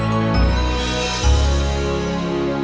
saya sudah berhenti